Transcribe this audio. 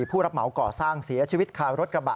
ผู้รับเหมาก่อสร้างเสียชีวิตคารถกระบะ